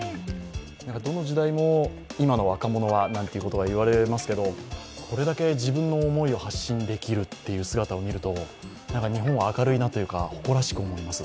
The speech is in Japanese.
どの時代も「今の若者は」なんて言われますけれども、これだけ自分の思いを発信できるという姿を見ると日本は明るいなというか、誇らしく思います。